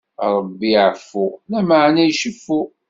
Ṛebbi iɛeffu, lameɛna iceffu.